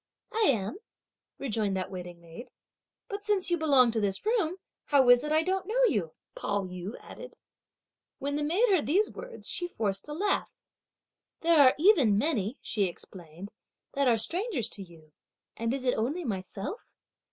"I am," rejoined that waiting maid. "But since you belong to this room, how is it I don't know you?" Pao yü added. When the maid heard these words, she forced a laugh. "There are even many," she explained, "that are strangers to you; and is it only myself?